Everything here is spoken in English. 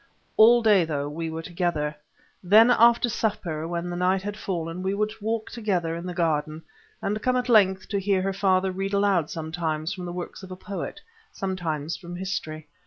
All day through we were together. Then after supper, when the night had fallen, we would walk together in the garden and come at length to hear her father read aloud sometimes from the works of a poet, sometimes from history.